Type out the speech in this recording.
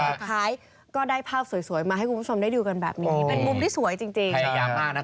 สุดท้ายก็ได้ภาพจะได้มาให้คุณทุกคุณทรวมพต้มเป็นมุมที่สวยจริง